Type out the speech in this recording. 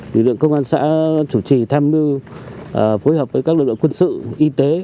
lực lượng công an xã chủ trì tham mưu phối hợp với các lực lượng quân sự y tế